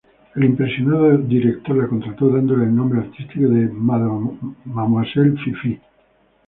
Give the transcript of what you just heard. El impresionado director la contrató, dándole el nombre artístico de "Mademoiselle Fifi".